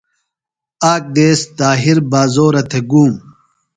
آک دیس طاہر بازورہ تھےۡ گوم۔